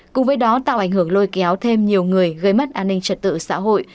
cùng với đó tạo ảnh hưởng lôi kéo thêm nhiều người gây mất an ninh trật tự xã hội